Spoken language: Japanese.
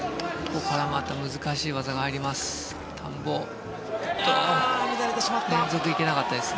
ここからまた難しい技が入ります。